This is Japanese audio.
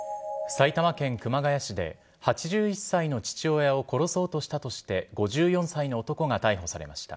埼玉県熊谷市で８１歳の父親を殺そうとしたとして、５４歳の男が逮捕されました。